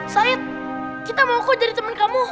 said kita mau kok jadi teman kamu